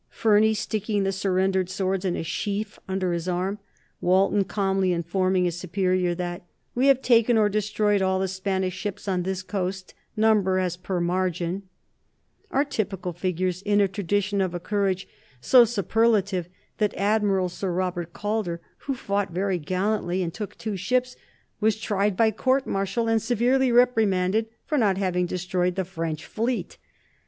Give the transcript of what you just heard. Fearney sticking the surrendered swords in a sheaf under his arm; Walton calmly informing his superior that "we have taken or destroyed all the Spanish ships on this coast: number as per margin," are typical figures in a tradition of a courage so superlative that Admiral Sir Robert Calder, who fought very gallantly and took two ships, was tried by court martial and severely reprimanded for not having destroyed the French fleet.